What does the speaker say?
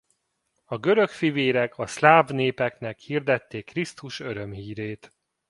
A görög fivérek a szláv népeknek hirdették Krisztus örömhírét.